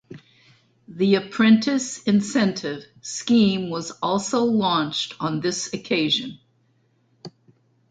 The Apprentice Incentive Scheme was also launched on this occasion.